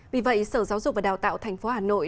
vì vậy sở giáo dục và đào tạo tp hà nội